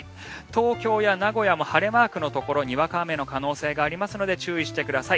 東京や名古屋も晴れマークのところにわか雨の可能性がありますので注意してください。